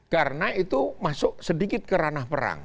karena itu masuk sedikit ke ranah perang